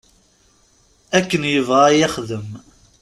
Akken yebɣa i yexdem.